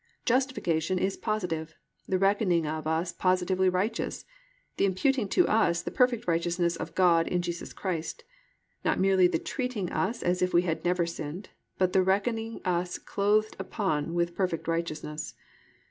Justification is positive, the reckoning of us positively righteous, the imputing to us the perfect righteousness of God in Jesus Christ, not merely the treating us as if we had never sinned, but the reckoning us clothed upon with perfect righteousness.